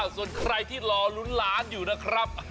ส่วนใครที่รอลุ้นล้านอยู่นะครับ